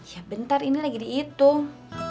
ya bentar ini lagi dihitung